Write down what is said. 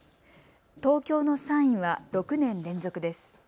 東京の３位は６年連続です。